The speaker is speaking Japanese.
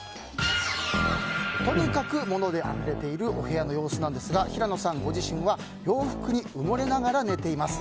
とにかく物であふれている汚部屋の様子なんですが平野さんご自身は洋服に埋もれながら寝ています。